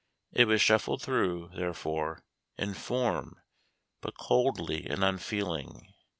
It was shuffled through, therefore, in form, but coldly and unfeeling.